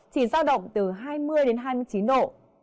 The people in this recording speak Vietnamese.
chỉ giao động từ hai mươi đến hai mươi chín độ